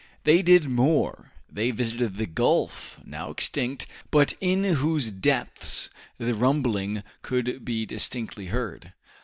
They did more; they visited the gulf, now extinct, but in whose depths the rumbling could be distinctly heard.